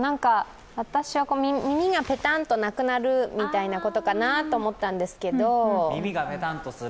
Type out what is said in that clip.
私は耳がぺたんとなくなるみたいなことかなと思ったんですけど。